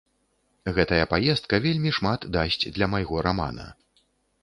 Гэтая паездка вельмі шмат дасць для майго рамана.